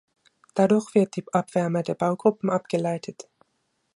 Dadurch wird die Abwärme der Baugruppen abgeleitet.